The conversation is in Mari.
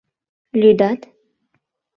— Лӱдат?